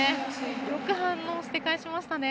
よく反応して返しましたね。